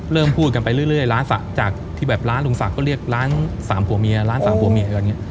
พูดกันไปเรื่อยร้านศักดิ์จากที่แบบร้านลุงศักดิ์ก็เรียกร้านสามผัวเมียร้านสามผัวเมียกันอย่างนี้